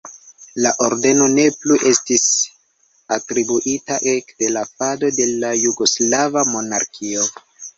La ordeno ne plu estis atribuita ekde la falo de la jugoslava monarkio.